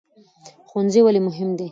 ښوونځی ولې مهم دی؟